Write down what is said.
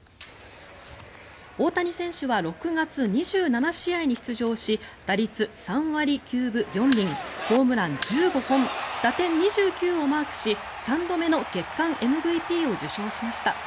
大谷選手は６月２７試合に出場し打率３割９分４厘ホームラン１５本打点２９をマークし３度目の月間ＭＶＰを受賞しました。